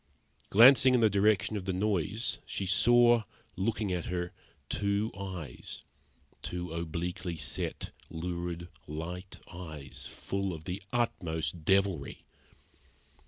Glancing in the direction of the noise, she saw, looking at her, two eyes two obliquely set, lurid, light eyes, full of the utmost devilry.